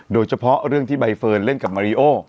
โดยเฉพาะเรื่องที่ใบเฟิร์นเล่นกับมาริโอ